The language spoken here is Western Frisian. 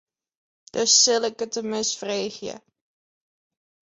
Dus sil ik it him ris freegje.